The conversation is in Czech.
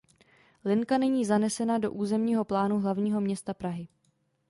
Linka není zanesena do územního plánu hlavního města Prahy.